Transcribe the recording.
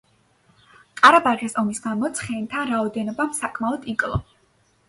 ყარაბაღის ომის გამო ცხენთა რაოდენობამ საკმაოდ იკლო.